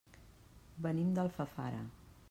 Venim d'Alfafara.